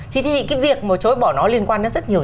thì cái việc mà chối bỏ nó liên quan đến rất nhiều